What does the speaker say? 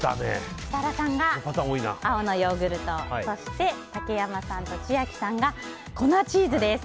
設楽さんが青のヨーグルト竹山さんと千秋さんが粉チーズです。